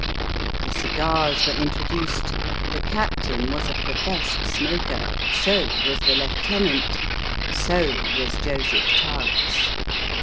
The cigars were introduced ; the captain was a professed smoker; so was the lieutenant; so was Joseph Tuggs.